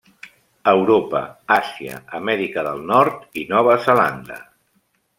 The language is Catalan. Europa, Àsia, Amèrica del Nord i Nova Zelanda.